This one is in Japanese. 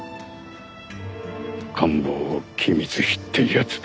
官房機密費ってやつだ。